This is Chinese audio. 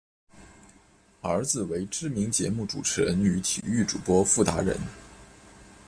儿子为知名节目主持人与体育主播傅达仁。